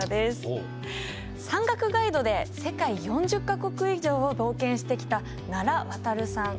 山岳ガイドで世界４０か国以上を冒険してきた奈良亘さん。